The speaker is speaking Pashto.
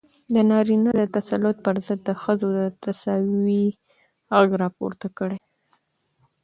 د نارينه د تسلط پر ضد د ښځو د تساوۍ غږ راپورته کړ.